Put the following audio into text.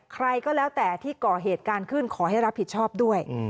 ใครก็แล้วแต่ที่ก่อเหตุการณ์ขึ้นขอให้รับผิดชอบด้วย